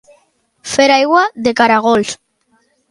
Fer aigua de caragols.